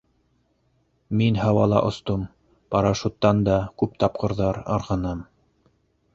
Мин һауала остом, парашюттан да күп тапҡырҙар ырғыным.